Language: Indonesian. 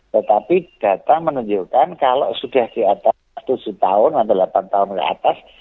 tetapi data menunjukkan kalau sudah di atas tujuh tahun atau delapan tahun ke atas